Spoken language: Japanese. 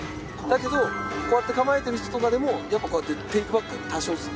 だけどこうやって構えてる人とかでもやっぱこうやってテイクバック多少あるから。